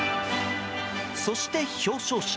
そして、表彰式。